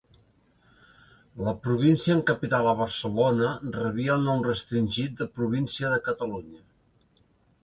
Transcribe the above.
La província amb capital a Barcelona rebia el nom restringit de província de Catalunya.